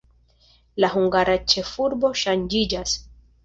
La hungara ĉefurbo ŝanĝiĝas.